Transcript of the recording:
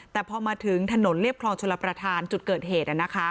แต่พอมาถึงถนนเรียบคลองชลประธานจุดเกิดเหตุ